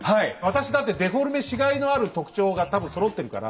私だってデフォルメしがいのある特徴が多分そろってるから。